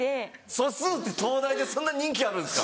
素数って東大でそんな人気あるんですか？